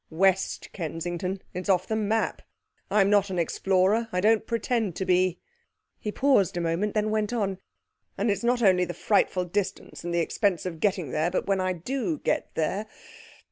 'West Kensington. It's off the map. I'm not an explorer I don't pretend to be.' He paused a moment, then went on, 'And it's not only the frightful distance and the expense of getting there, but when I do get there....